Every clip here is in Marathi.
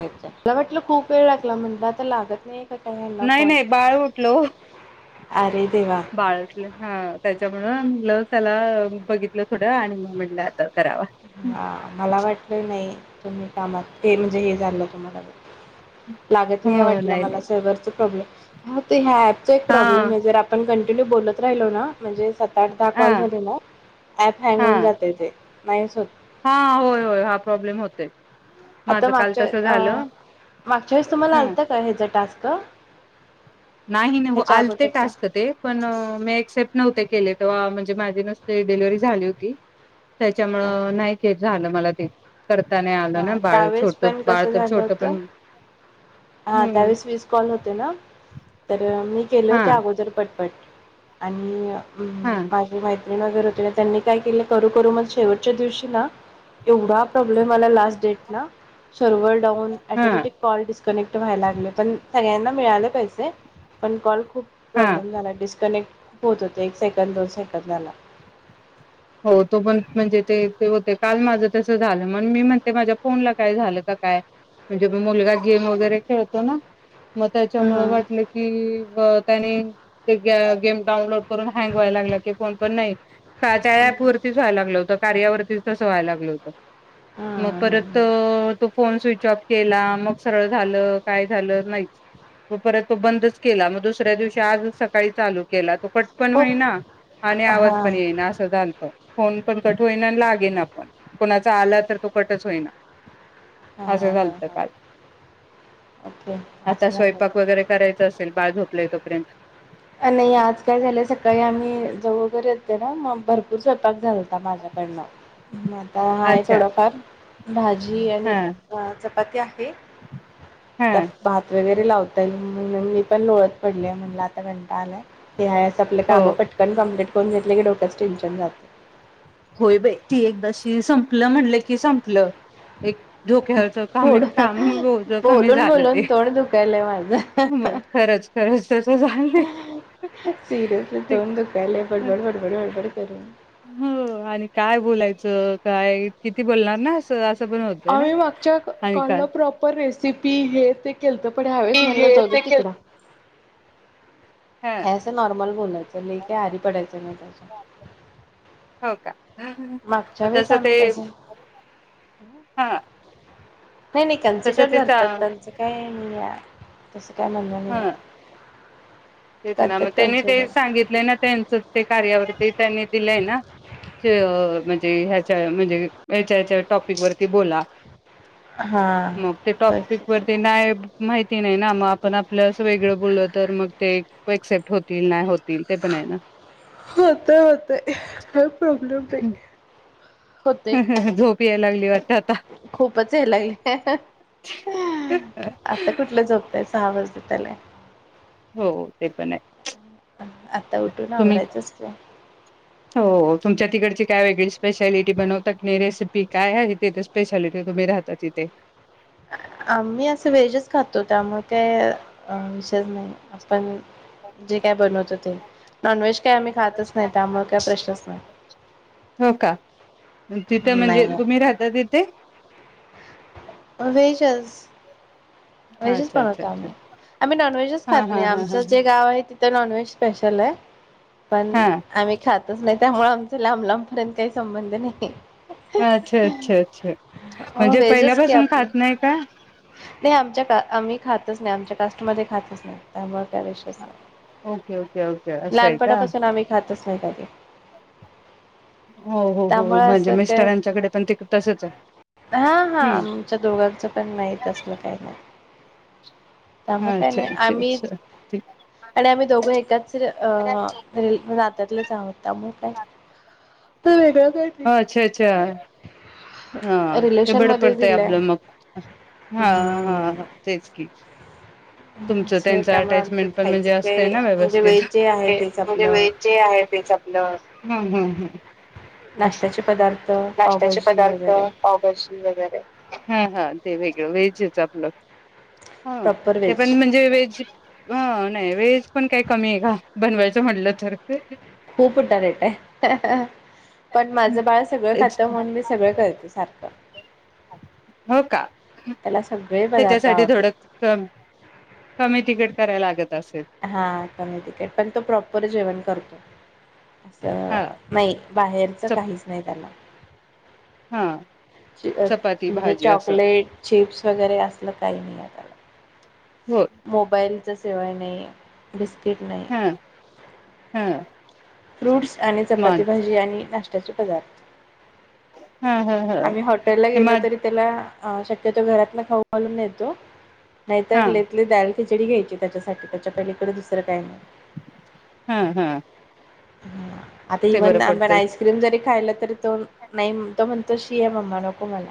अच्छा मला वाटलं खूप वेळ लागला म्हणला आता लागत नाही. का काय ह्यांना नाही फोन नाही बाळ उठल हो अरे देवा बाळ उठल हा त्या त्यामुळ म्हणून लव त्याला बघितल थोड आणि मग म्हटल आता करावा हा मला वाटल नाई तुम्ही कामात हे म्हणजे हे झाल तुम्हाला लागत हो नाहीये वाटल नाही मला नाही सर्वरचा प्रॉब्लेम हा ते एँपचा एक हा प्रॉब्लेम आहे जर आपण कन बोलत राहिलो ना म्हणजे सात अँप हा दाखवायला झाले ना अँप हँग हा होऊन जातय ते नाहीच होत हा होय होय हा प्रॉब्लेम होतय आता मागच्या अहह मागच्या वेळेस तुम्हाला ह आलत का हेच टास्क का? नाही न्हव आलते टास्क ते पण मी ऍक्सेप्ट नव्हते. केले तवा म्हणजे माझी नुसती डिलिव्हरी झाली होती. त्याच्यामुळ ओके नाही ते झालं मला ते अ करता नाही आलं ना हां बाळ त्यावेळेस छोट पण बाळ तर छोट पण हा आता हम्म वीस वीस कॉल होते ना? तर मी केले हा होते अगोदर पटपट आणि हम्म हा माझी मैत्रीण वगैरे होती त्यांनी काय केलं करू करू मग शेवटच्या दिवशी ना एवढा प्रॉब्लेम आला लास्ट डेटला सर्वर डाउन हा ऑटोमॅटिक कॉल डिस कनेक्ट व्हाय लागलंय पण सगळ्यांना मिळाले पैसे पण कॉल खूप हा प्रॉब्लेम झालय डिस कनेक्ट पोहचत हाय एक सेकंद सेकंदाला होय तो पण म्हणजे ते ते होते काल माझं तस झालं मण मी म्हणते माझ्या फोनला काय झालं का काय म्हणजे म मुलगा गेम वगैरे खेळतो ना मग त्याच्यामुळं हां वाटलं की त्याने ते गेम डाउनलोड करून हँग व्यायलागला की फोन पण नाही त्या हां पूरतीच व्हायला लागलं होतं कार्यावरती तसं व्हाय लागलं होतं मग हां परत हां तो फोन स्विच ऑफ केला मग सरळ झालं, काय झालं नाहीच मग परत तो बंदच केला मग दुसऱ्या दिवशी आजच सकाळी चालू केला तो कट पण हो होईना आणि हां आवाज पण हां येईना अस फोन पण कट होईना अन लागेना पण कोणाचा आला तर तो कटच होईना असं हां झालत हां काल ओके आता असं झालं होतं स्वयंपाक वगैरे करायचं असेल बाळ झोपलाय तर..... पर्यंत अ नाही आज काय झालं सकाळी आम्ही जाऊ वगैरे येतो ना मग भरपूर स्वयंपाक झाल आ माझ्याकडनं आता आहे अच्छा थोडंफार भा भाजी आणि हा चपा पत्या हा तर भात वगैरे लावतो म्हणून मी पण लोळत पडली म्हणल आता [unintelligible] आलाय आपलं हो कामं पटकन बंद फोन घेतले की डोक्याचं टेन्शन जात होय बई ती एकदाशी संपलं म्हणलं की संपलं एक डोक्यावरचं काम पुढ काम कमी बोलून झालं ते बोलून तोंड दुखालय माझं हा हा हा. हा सीरयसली ते तोंड दुखायलय बडबड बडबड बडबड करून हो आणि काय बोलायचं काय किती बोलणार ना असं अस आम्ही मागच्या कॉल ला प्रॉपर रेसिपी हे ते केलत पण ते ह्यावेळेस हे म्हणलं जाऊद्या ते केल तिकडं हा. हाय असं नॉर्मल बोलायचं, लय काय आरी पडायचं नाही त्याच्या मागच्या वेळेस तस ते आम्ही तसं हा नाही नाही तसं कन्सिडर ते चा धरतात त्यांचं काय म्ह हा [unintelligible] तेच ना मग त्यांनी ते कन्सिडर सांगितले ना त्यांच ते काय ते त्यांनी दिलंय ना च म्हणजे ते ह्याच्या म्हणजे ह्याच्या ह्याच्या टॉपिक वरती बोला. हा. मग ते टॉपिक वरती नाही माहिती नाही ना म आपण आपलं असं वेगळं बोललो तर मग ते एक्सेप्ट होतील नाही होत होतय होतय [unintelligible] होतय झोप यायला लागली वाटत आता खूपच हेलाईल आता कुठलं झोपतायस दहा वाजत आलाय हो ते पण य आता उठून आवरायचंच का हो तुमच्या तिकडची काय वेगळी स्पेशलिटी बनवतात की नाही रेसिपी काय आहे तिथे स्पेशालिटी तुम्ही राहता तिथे? आम्ही असं व्हेजच खातो, त्यामुळे काही अ विषयच नाही. आपण जे काय बनवतो ते नॉनव्हेज काय आम्ही खातच नाही, त्यामुळे काय प्रश्नच नाही. तिथं म्हणजे नाही तुम्ही राहता तिथे वेजच वेजच अच्छा अच्छा बनवतो अच्छा आम्ही, आम्ही नॉनव्हेजच हा खात हा नाही, हा आमच हा जे गाव आहे तिथं नॉनव्हेज स्पेशलाय पण हा आम्ही खातच नाही. त्यामुळे आमचा लांब लांबपर्यंत काही संबंध नाही. हा अच्छा अच्छा अच्छा हो म्हणजे व्हेजच की पहिल्यापासून आपले खात नाही का? मी खातच नाही, आमच्या कास्टमध्ये खातच नाही त्यामुळे ओके ओके ओके असं आहे का? लहानपणापासून आम्ही खातच नाही कधी हो हो हो त्यामुळे म्हणजे असं का मिस्टरांच्याकडे पण ते तसच आहे हा हा हम्म आमच्या दोघांचं पण नाही असलं काही नाही त्यामुळे काय अच्छा नाही अच्छा आम्ही अच्छा. ठीक. आणि आम्ही दोघं एकाच अ नातातलेच आहोत त्यामुळे काय ते वेगळ ह अच्छा अच्छा हा ते रिलेशन बर मध्ये पडतय दिलंय आपलं मग हा हा हा तेच की तुमच असं त्यांच त्यामुळे आमचं अटचमेंट पण म्हणजे खायचं ते असत ना म्हणजे व्यवस्थिते व्हेज जे आहे तेच आपलं आहे तेलं हम नाश्त्याचे पदार्थ नाष्ट्याचे पावभाजी पदार्थ वगैरे पाव भाजी वगैरे हा हा ते वेगळं वेजेच आपलं हा प्रॉपर ते व्हेज पण म्हणजे व्हेज नाही व्हेज पण काय कमी आहे का बनवायची म्हणलं तर खूप उठारेट आहे पण माझं बाळ सगळं तेच खात म्हणून मी की सगळं करते सारखं हो का त्याला सग त्याच्यासाठी थोडं क कमी तिकट कराय लागत अस हा कमी तिकट पण तो प्रॉपर जेवण करतो हा नाही बाहेरचं चप काहीच नाही त्याला हा [inaudible] चपाती म्हणजे भाजी असं चॉकलेट चिप्स वगैरे असलं काही नाही आ त्याला. हो मोबाईल त्याशिवाय नाही बिस्कीट एक नाही हा हा फ्रूट्स आणि चपाती मग भाजी आणि नाष्टा त्याचे पदार्थ हा हा हा आम्ही हॉटेल ला गेलो मग तरी त्याला अ शक्यतो घरात ना खाऊ बनवून नेतो नाही हा तर लेेतली दा खिचडी घ्यायची त्याच्यासाठी त्याच्या पलीकडे दुसरं काही नाही हा हा [inaudible] आता ते बरं इवन आपण पडतंय आइस्क्रीम जरी खायला तरी तो नाही म्ह तो म्हणतो शि आहे मम्मा नको मला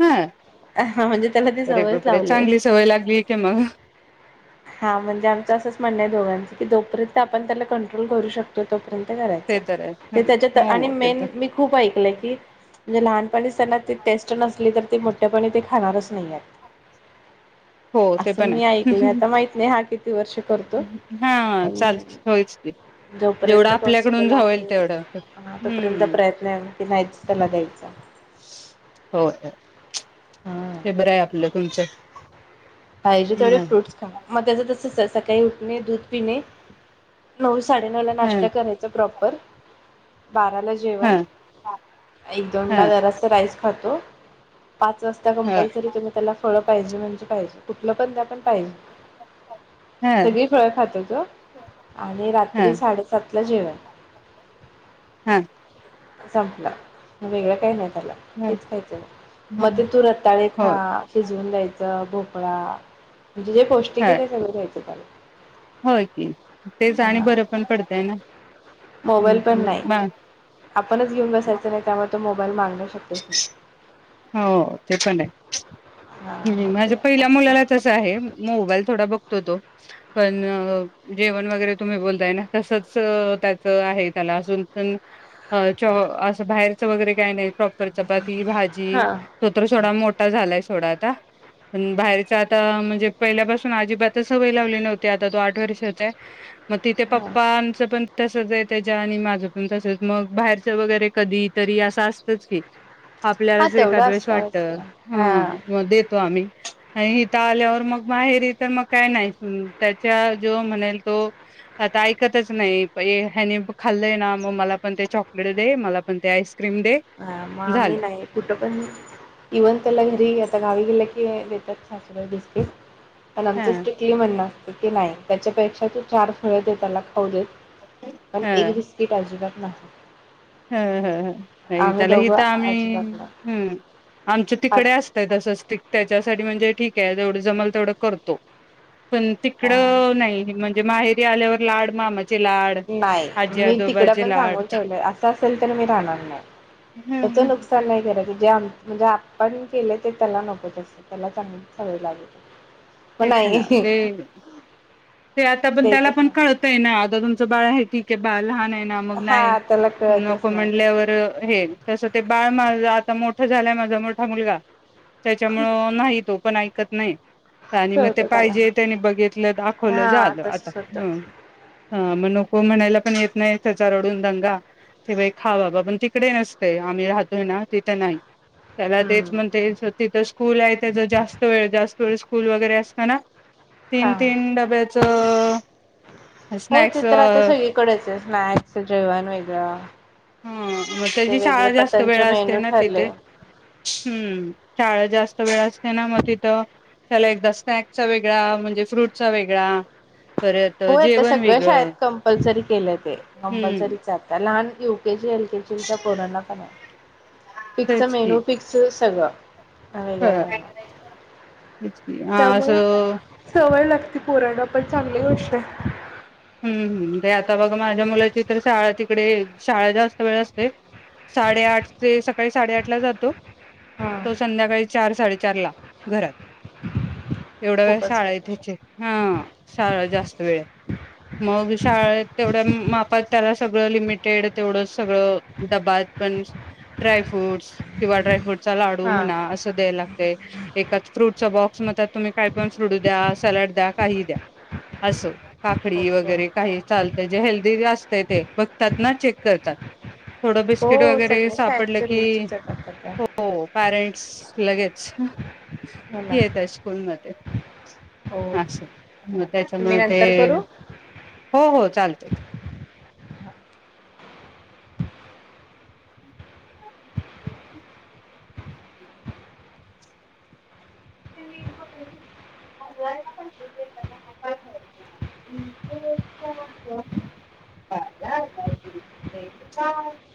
हा हा म्हणजे त्याला ते अरे सवयच बापरे लावले चांगली सवय लागली की मग हा म्हणजे आमचं असं. म्हणणंय दोघांच की जोपर्यंत आपण त्याला कॉन कन्ट्रोल करू शकतो तोपर्यंत कस करायच ते तर आहे ते हं. त्याच्यात आणि हो ते मेन तर मी खूप ऐकलंय की, जे लहान पहिलीच त्यांना ती टेस्ट नसली तर ते मोठेपनी ते खाणारच कस. दिल्यात हो असं मी ऐकलय आता माहित नाही हा किती? वर्ष करतो हां पण चाल होयचकी जोपर्यंत पॉसिबल आहे तेवढं हा तोपर्यंत हम्म प्रयत्न आहे की नाहीच त्याला द्यायच. म्च हे बरं आहे आपलं. तुमचें क पाहिजे तेवढे फ्रूट्स खा! मग त्याच तस सकाळी उठणे दूध पिणे नऊच साडे नऊला ह नाष्टा करायचं प्रॉपर तर बाराला जेवण हं एक दोन ला हं जरासा राईस खातो. पाच वाजता हं कंपल्सरी तुम्ही त्याला फळं पाहिजे म्हणजे पाहिजे. कुठलं पण द्या पण होय हं सगळी फळं खातो तो आणि रात्री हं साडेसात ला जेवण. हा संपलं. वेगळं काही नाही त्याला हं तेच खायचं ना मग हं ते तू रत्ताळे खा होय शिजवून द्यायचं. तवा जे पौष्टिक हाय हं ते सगळ द्यायचं त्याला होय की तेच आणि हा बरं पण पडतंय ना मोबाईल पण नाही म आपणच घेऊन बसायचं नाही त्यामुळे तो मोबाईल माग अशक्यच नाही. हाव ते पण हाय हा पीच मी मग ते माझ्या पै असं मुलाला तसं आहे मोबाईल थोडा बघतो. तो-तो पण अ जेवण वगैरे तुम्ही बोलताय ना तसच अ त्याच आहे त्याला अजून पण अ चॉ अस बाहेरच वगैरे काय नाही. प्रॉपर चपाती, भाजी ई हां तो तर सोडा मोठा झालाइस. थोड आता पण बाहेरच आता आ म्हणजे पहिल्यापासून अजिबातच सवय लावली नव्हती. आता तो आठ वर्षाचाय मग तिथे हां पप्पांचं पण तसये त्याच्या आणि माझं पण तसच मग बाहेरच वगैरे कधी तरी असं असतंच की आ हां, आपल्यालाज तेवढं एखाद वेळेस असतं वाटत असं ह हां म देतो आम्ही. नाही इथं आल्यावर मग माहेरी तर मग काय नाही. त्याच्या जो म्हणेल तो आता ऐकतच नाही. ए पै ह्यानी खाल्लय ना म मला पण ते चॉकलेट दे. मला पण ते आईस क्रीम दे झालं. कुठ पण इव्हन त्याला घरी येता गावी गेलं की देतात सासुबाई बिस्किट. पण आमचं ह स्ट्रीटली म्हणण असत. सुट्टी नाही त्याच्यापेक्षा तू चार फळ दे त्याला खाऊ दे पण एक बिस्कीट अजीबात ना ह-ह-ह नाही त्याला हित आम्ही अजिबात नाही हम आमच पाच तिकडे असतय तसंच ती त्याच्यासाठी म्हणजे ठीक तेला जेवढं जमल तेवढं करतो. पण तिकड नाही. म्हणजे माहे ते आल्यावर लाड मामा नाही मी तिकड पण लाड सांगून ठेवलंय असं पण तर मी राहणार नाही. त्याच नुकसान नाही क जे आम म्हणजे आपण केले ते त्याला नको तसं त्याला चांगलीच सवय लागू दे. तेच ना ते ते आता पण त्याला द्यायचंच पण नाही कळतय ना आता तुमचं बाळ हायती. ते बाल लहानये ना मग नाही. हा त्याला नको कळतच नाही म्हनल्यावर हे तस ते बाळ माझ आता मो तो झालाय माझा मोठा मुलगा. त्याच्यामुळं नाही तो पण ऐकत नाही. आणि मग ते कळतं त्याला पाहिजे त्यानी बघितलं, दाखवलं हा झालं आता. तसच होतं हं हा मग नको म्हणायला पण येत नाही, त्याचा रडून दंगा. ते बाई खा बाबा पण तिकडे नसतंय आम्ही राहतोय ना तिथं नाही. त्याला तेच हम्म. म्हणते तिथं स्कूल आहे त्याच जास्त वेळ जास्त [inaudible] स्कूल वगैरे असत ना हा, हो स्नॅक्स चित्र आता ह सगळीकडेच आहे. स्नँक्स, जेवण व [inaudible] हा मग त्याची शाळा जास्त वेळ असते मेनू ना तिथे. ठरले हम्म शाळा जास्त वेळ असते ना मग तिथं त्याला एकदा स्नॅक्चा वेगळा म्हणजे फ्रूटचा वेगळा परत हो येत जेवण सगळं वेगळं शाळेत कंपल्सरी केलं ते. हम्म कंपल्सरीच आता लहान यु युकेजी, एलकेजीच्यां पोरांना की नाय फिक्स तेच की मेनू, फिक्स सगळं वेगळ ह काय नाय. तेच की हा अस ती पोरांना पण चांगली गोष्ट आहे. हम हम ते आता बघा माझ्या मुलाची तर शाळा तिकडे शाळा जास्त वेळ असते. साडेआठ ते सकाळी साडेआठ ला जातो. हा तो संध्याकाळी चार साडे चारला घरात एवढा वेळ शाळा आहे त्याची हा शाळा जास्त वेळ मग शाळेत तेवढ्या मापात त्याला सगळं लिमिटेड तेवढं सगळं डबा पण ड्रायफ्रूटस् किंवा ड्रायफ्रूट चा लाडू हा म्हणा असं द्याय लागतय. एकाच फ्रूटचा बॉक्स मग त्यात तुम्ही काय पण फ्रूट द्या, सॅलेड द्या, काहीही द्या असं. काकडी व ओके घरी काही चालते जे हेल्दी जे अस ते, ते बघतात ना चेक करतात. थोडं बिस्किट हो वगैरे सगळ्या सापडलं शाळेचे की रूल्सच आहेत आता त्या हो पॅरं लगेच हो ना येतय स्कूलमध्ये. हो असं मग मी त्याच्यामुळे ते नंतर करू हो, हो. चालतय, चालतय. [inaudible] [unintelligible]